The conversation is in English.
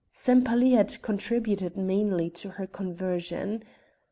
Sempaly had contributed mainly to her conversion.